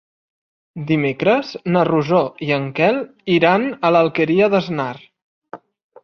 Dimecres na Rosó i en Quel iran a l'Alqueria d'Asnar.